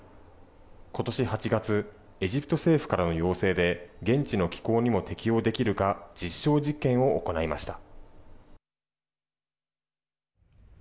今年８月エジプト政府からの要請で現地の気候にも適応できるか実証実験を行いました。